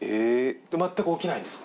全く起きないんですか？